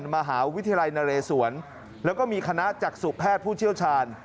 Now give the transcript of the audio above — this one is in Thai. มหาวิทยาลัยนเรศวรแล้วก็มีคณะจักษุแพทย์ผู้เชี่ยวชาญ